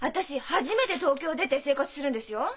初めて東京を出て生活するんですよ。